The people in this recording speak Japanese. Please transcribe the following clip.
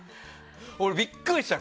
俺びっくりした。